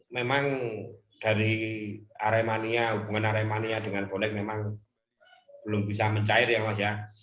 memang dari aremania hubungan aremania dengan bonek memang belum bisa mencair ya mas ya